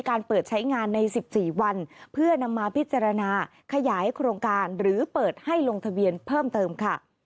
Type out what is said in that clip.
การเปิดใช้งานใน๑๔วันเพื่อนำมาพิจารณาขยายโครงการหรือเปิดให้ลงทะเบียนเพิ่มเติมค่ะ